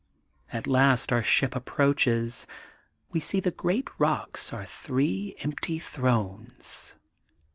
At last our ship approaches. We see the great rocks are three empty thrones.